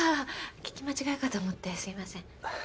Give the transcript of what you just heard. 聞き間違いかと思ってすいません。